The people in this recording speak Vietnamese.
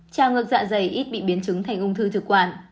trào ngược dạ dày ít bị biến chứng thành ung thư thực quản